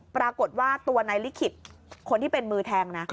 ปรากฏว่าตัวนายลิขิตคนที่เป็นมือแทงนะ